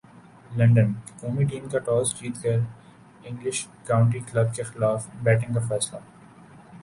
London قومی team کا toss جیت کر انگلش کانٹی کلب کیخلاف بیٹنگ کا فیصلہ